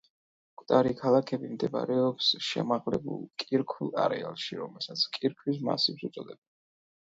მკვდარი ქალაქები მდებარეობს შემაღლებულ კირქვულ არეალში, რომელსაც კირქვის მასივს უწოდებენ.